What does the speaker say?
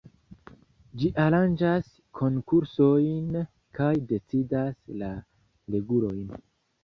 Ĝi aranĝas konkursojn kaj decidas la regulojn.